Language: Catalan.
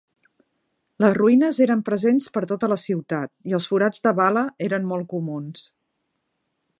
Les ruïnes eren presents per tota la ciutat, i els forats de bala eren molt comuns.